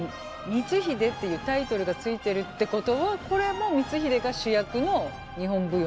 「光秀」っていうタイトルが付いてるってことはこれも光秀が主役の日本舞踊なんじゃないんですか。